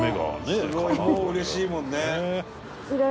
「すごいもう嬉しいもんね」